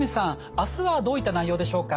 明日はどういった内容でしょうか？